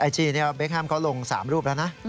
ไอจีเนี่ยเบคฮัมเขาลง๓รูปแล้วนะ